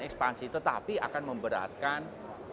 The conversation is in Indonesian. ekspansi tetapi akan memberatkan